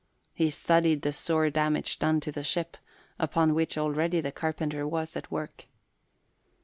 He studied the sore damage done to the ship, upon which already the carpenter was at work.